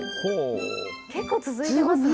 結構続いていますね。